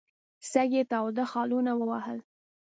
سږ یې تاوده خالونه ووهل.